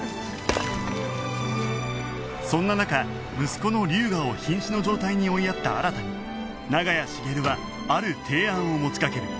そんな中息子の龍河を瀕死の状態に追いやった新に長屋茂はある提案を持ちかける